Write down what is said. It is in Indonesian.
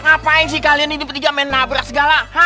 ngapain sih kalian ini di peti jamban nabrak segala